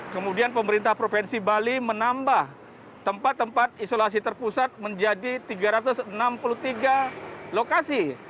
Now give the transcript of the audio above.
kemudian pemerintah provinsi bali menambah tempat tempat isolasi terpusat menjadi tiga ratus enam puluh tiga lokasi